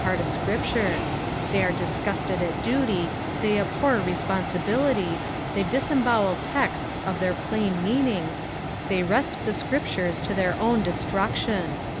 part of Scripture ; they are diflgufited at duty, they abhor responsibility, the; disembowel texts of their plain meanings, they wrest the Scriptures to their own destruction.